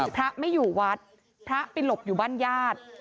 พระไม่อยู่วัดพระไปหลบอยู่บ้านญาติ